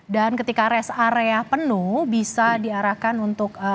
dan ketika rest area penuh bisa diarahkan untuk